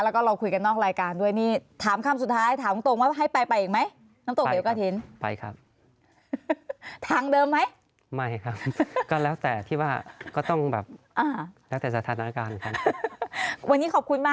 แล้วก็เราคุยกันนอกรายการด้วยนี่ถามคำสุดท้ายถามคุณโต๊งว่าให้ไปไปอีกไหม